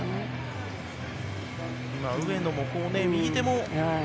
今、上野も、右手を。